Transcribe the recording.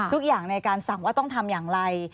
ทุกอย่างในการสั่งว่าต้องทำอย่างไร